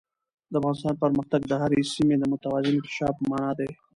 د افغانستان پرمختګ د هرې سیمې د متوازن انکشاف په مانا دی.